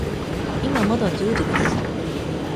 今まだ十時です。